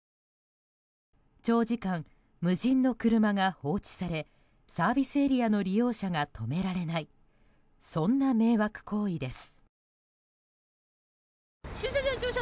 長時間、無人の車が放置されサービスエリアの利用者が止められないそんな迷惑行為です。